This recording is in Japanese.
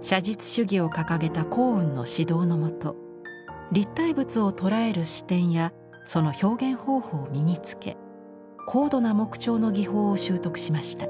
写実主義を掲げた光雲の指導のもと立体物を捉える視点やその表現方法を身につけ高度な木彫の技法を習得しました。